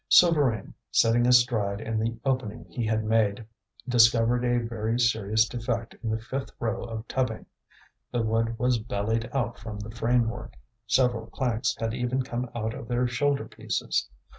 Souvarine, sitting astride in the opening he had made, discovered a very serious defect in the fifth row of tubbing. The wood was bellied out from the framework; several planks had even come out of their shoulder pieces.